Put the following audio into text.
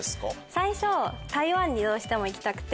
最初台湾にどうしても行きたくて。